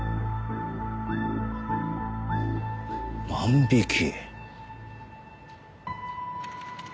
万引き。